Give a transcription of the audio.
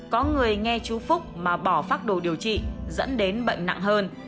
có người nghe chú phúc mà bỏ phác đồ điều trị dẫn đến bệnh nặng hơn